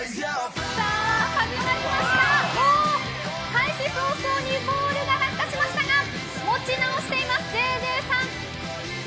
開始早々にボールが落下しましたが持ち直しています、ＪＪさん。